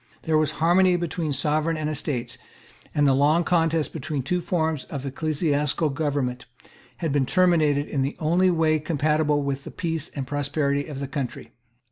There was harmony between the Sovereign and the Estates; and the long contest between two forms of ecclesiastical government had been terminated in the only way compatible with the peace and prosperity of the country.